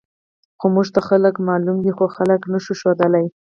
خو موږ ته خلک معلوم دي، خو خلک نه شو ښودلی.